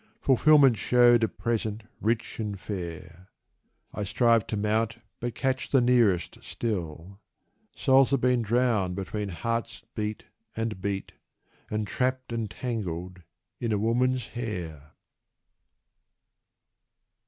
Fulfilment shewed a present rich and fair: I strive to mount, but catch the nearest still: Souls have been drowned between heart's beat and beat, And trapped and tangled in a woman's hair.